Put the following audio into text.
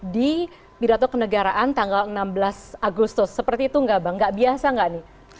di pidato kenegaraan tanggal enam belas agustus seperti itu enggak bang gak biasa nggak nih